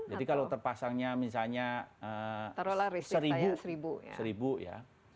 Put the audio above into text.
jadi kalau terpasangnya misalnya seribu ya